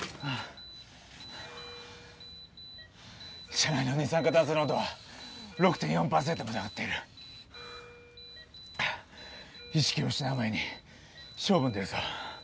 車内の二酸化炭素濃度は６．４％まで上がっている意識を失う前に勝負に出るぞ